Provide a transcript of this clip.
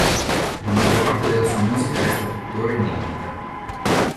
La maggior parte della sua musica resta tuttora inedita.